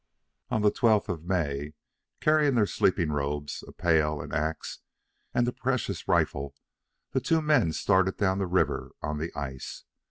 On the twelfth of May, carrying their sleeping robes, a pail, an ax, and the precious rifle, the two men started down the river on the ice.